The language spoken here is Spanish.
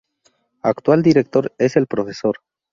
Actual director es el prof.